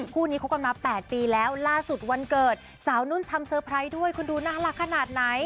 คู่นี้คบกันมา๘ปีแล้วล่าสุดวันเกิดสาวนุ่นทำเซอร์ไพรส์ด้วยคุณดูน่ารักขนาดไหน